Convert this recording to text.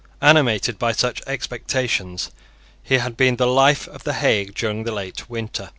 Animated by such expectations he had been the life of the Hague during the late winter.